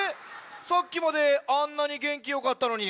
さっきまであんなにげんきよかったのに。